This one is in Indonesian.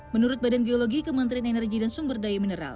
menurut badan geologi kementerian energi dan sumber daya mineral